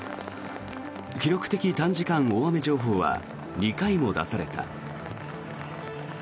記録的短時間大雨情報は２回も出された。